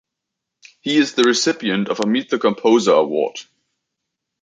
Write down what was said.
He is the recipient of a Meet the Composer award.